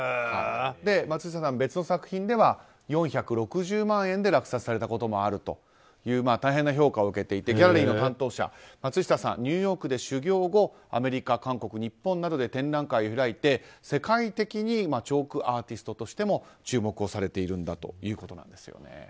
松下さん、別の作品では４６０万円で落札されたこともあるという大変な評価を受けていてギャラリーの担当者松下さん、ニューヨークで修業後アメリカ、韓国、日本などで展覧会を開いて世界的にチョークアーティストとしても注目をされているんだということなんですね。